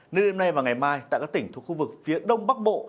nên đêm nay và ngày mai tại các tỉnh thuộc khu vực phía đông bắc bộ